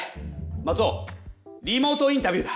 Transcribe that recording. マツオリモートインタビューだ！